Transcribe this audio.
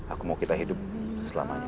aku mau kita hidup selamanya